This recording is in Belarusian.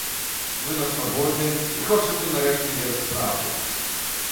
Вы на свабодзе, і хочацца нарэшце ведаць праўду!